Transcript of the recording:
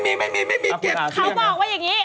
เขาบอกว่าอย่างนี้